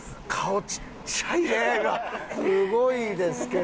すごいですけど。